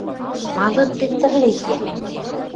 Малын тӹнь тӹрлет йӓ?